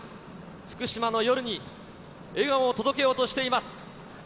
福島の夜に、笑顔を届けようとしています。